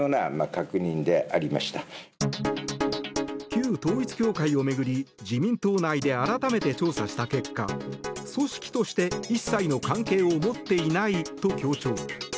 旧統一教会を巡り自民党内で改めて調査した結果組織として一切の関係を持っていないと強調。